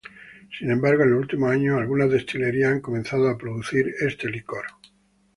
Sin embargo, en los últimos años, algunas destilerías han comenzado a producir este licor.